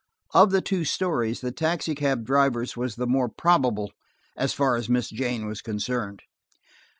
Of the two stories, the taxicab driver's was the more probable, as far as Miss Jane was concerned.